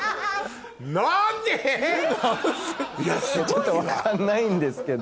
ちょっと分かんないんですけど。